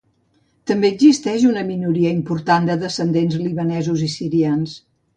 També existeix una minoria important de descendents libanesos i sirians.